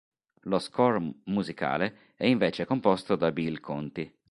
Lo "score" musicale è invece composto da Bill Conti.